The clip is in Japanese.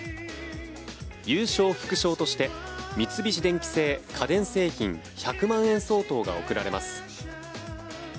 優勝副賞として三菱電機製家電製品１００万円相当が贈られます。